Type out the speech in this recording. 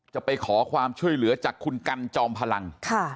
จะไปขอความช่วยเหลือจากคุณกันจอมพลัง